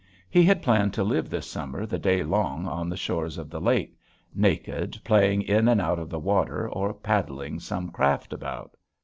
He had planned to live this summer the day long on the shores of the lake, naked, playing in and out of the water or paddling some craft about.